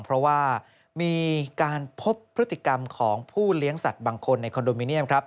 เพราะว่ามีการพบพฤติกรรมของผู้เลี้ยงสัตว์บางคนในคอนโดมิเนียมครับ